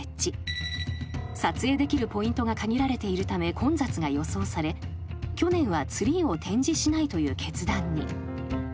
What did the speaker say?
［撮影できるポイントが限られているため混雑が予想され去年はツリーを展示しないという決断に］